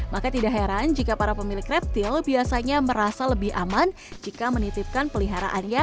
maka tidak heran jika para pemilik reptil biasanya merasa lebih aman jika menitipkan peliharaannya